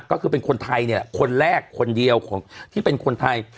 ก็คือเป็นคนไทยเนี่ยคนแรกคนเดียวของที่เป็นคนไทย